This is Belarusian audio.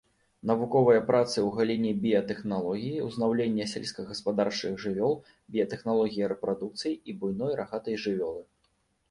Навуковыя працы ў галіне біятэхналогіі ўзнаўлення сельскагаспадарчых жывёл, біятэхналогіі рэпрадукцыі буйной рагатай жывёлы.